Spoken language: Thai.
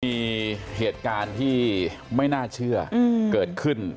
มีเศรษฐ์การที่ไม่น่าเชื่อเกิดขึ้น